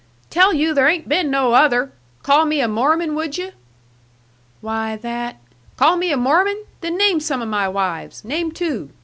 "Tell you there ain't been no other! Call me a Mormon, would you?" "Why, that " "Call me a Mormon? Then name some of my wives. Name two.